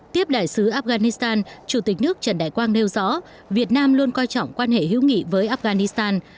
tiếp đại sứ afghanistan chủ tịch nước trần đại quang nêu rõ việt nam luôn coi trọng quan hệ hữu nghị với afghanistan